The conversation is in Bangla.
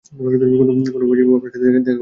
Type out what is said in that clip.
কোনো ফর্জি বাবু আপনার সাথে দেখা করতে এসেছেন।